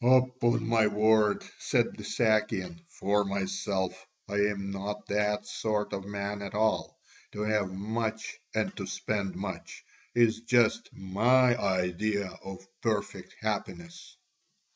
"Upon my word," said the Sakian, "for myself, I am not that sort of man at all: to have much and to spend much is just my idea of perfect happiness."